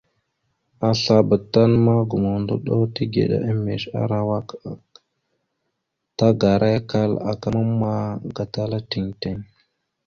Aslabá tan ma gomohəndoɗo tigəɗá emez arawak aak, tagarakal aka mamma gatala tiŋ tiŋ.